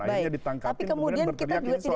akhirnya ditangkapin kemudian berteriak ini soal matar